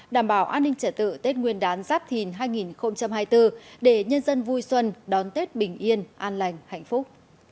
tựa tết nguyên đán giáp thìn hai nghìn hai mươi bốn để nhân dân vui xuân đón tết bình yên an lành hạnh phúc